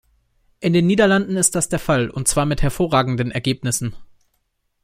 In den Niederlanden ist dies der Fall, und zwar mit hervorragenden Ergebnissen.